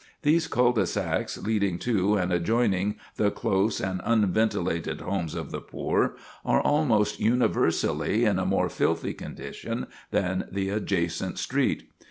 These cul de sacs leading to, and adjoining the close and unventilated homes of the poor, are almost universally in a more filthy condition than the adjacent street.